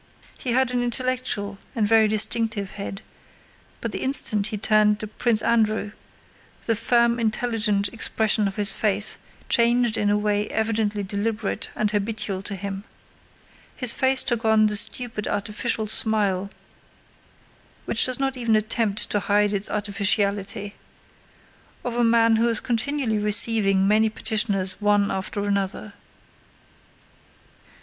He had an intellectual and distinctive head, but the instant he turned to Prince Andrew the firm, intelligent expression on his face changed in a way evidently deliberate and habitual to him. His face took on the stupid artificial smile (which does not even attempt to hide its artificiality) of a man who is continually receiving many petitioners one after another.